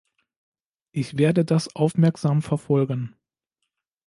Ich werde das aufmerksam verfolgen.